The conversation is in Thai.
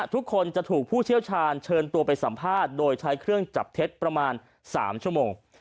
ทุกคนจะถูกผู้เชี่ยวชาญเชิญตัวไปสัมภาษณ์โดยใช้เครื่องจับเท็จประมาณ๓ชั่วโมง